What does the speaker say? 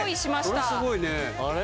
これすごいねあれ？